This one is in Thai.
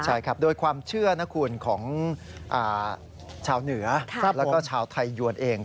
ใช่ครับโดยความเชื่อนะคุณของชาวเหนือแล้วก็ชาวไทยยวนเอง